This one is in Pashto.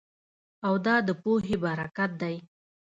او دا د پوهې برکت دی